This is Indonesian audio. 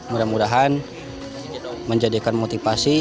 mudah mudahan menjadikan motivasi